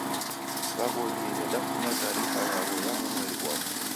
W'aghorie w'endafunya taarifa yaw'o ya w'umweri ghwaw'o.